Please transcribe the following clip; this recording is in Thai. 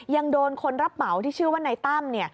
ยังโดนคนรับเหมาที่ชื่อว่านายตั้ม